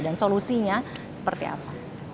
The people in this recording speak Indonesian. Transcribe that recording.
dan solusinya seperti apa